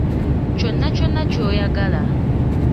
Kyonna kyonna ky’oyagala.